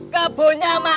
kebunnya sama ipah